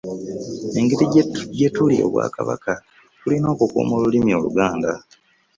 Engeri gyetuli Obwakabaka, tulina okukuuma olulimi oluganda.